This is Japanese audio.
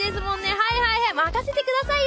はいはいはい任せてくださいよ。